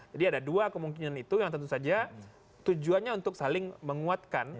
jadi ada dua kemungkinan itu yang tentu saja tujuannya untuk saling menguatkan